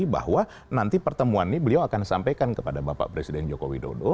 bahwa nanti pertemuan ini beliau akan sampaikan kepada bapak presiden joko widodo